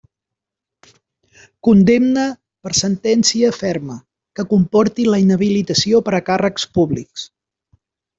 Condemna per sentència ferma, que comporti la inhabilitació per a càrrecs públics.